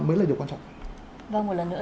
mới là điều quan trọng và một lần nữa